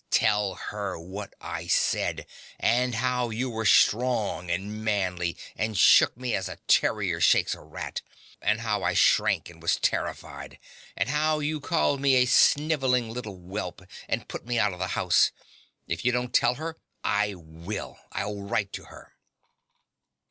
Tell her what I said; and how you were strong and manly, and shook me as a terrier shakes a rat; and how I shrank and was terrified; and how you called me a snivelling little whelp and put me out of the house. If you don't tell her, I will: I'll write to her.